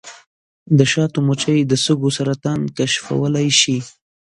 د شاتو مچۍ د سږو سرطان کشفولی شي.